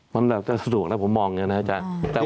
มันแบบจะสะดวกแล้วผมมองอย่างนี้นะอาจารย์